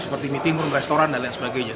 seperti meeting room restoran dan lain sebagainya